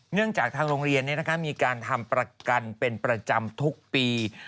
เนื่องจากทางโรงเรียนนี้นะคะมีการทำประกันเป็นประจำทุกปี